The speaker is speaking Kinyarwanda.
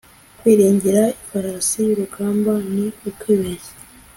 kwiringira ifarasi y'urugamba, ni ukwibeshya